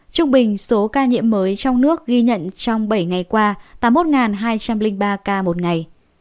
trung bình số ca nhiễm mới trong nước ghi nhận trong bảy ngày qua tám mươi một hai trăm linh ba ca một ngày